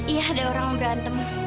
iya ada orang berantem